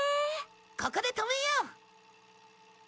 ここで止めよう。